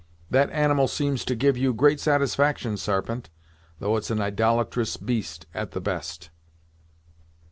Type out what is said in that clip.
That animal seems to give you great satisfaction, Sarpent, though it's an idolatrous beast at the best."